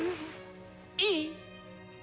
いい？